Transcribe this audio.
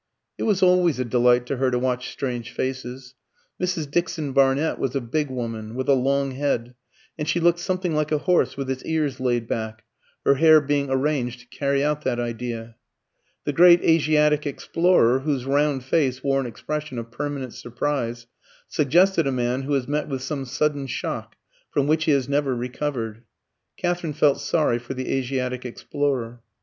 It was always a delight to her to watch strange faces. Mrs. Dixon Barnett was a big woman, with a long head, and she looked something like a horse with its ears laid back, her hair being arranged to carry out that idea. The great Asiatic explorer, whose round face wore an expression of permanent surprise, suggested a man who has met with some sudden shock from which he has never recovered. Katherine felt sorry for the Asiatic explorer.